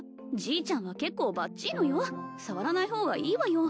Ｇちゃんは結構ばっちいのよ触らない方がいいわよ